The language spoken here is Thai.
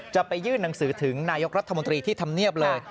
จะไปยื่นหนังสือถึงนายกรัฐมนตรีที่ทำเนียบเลย